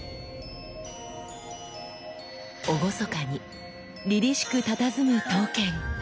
厳かにりりしくたたずむ刀剣。